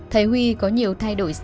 thầy huy có nhiều thay đổi